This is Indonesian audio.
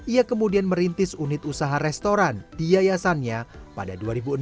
ia kemudian merintis unit usaha restoran di yayasannya pada dua ribu enam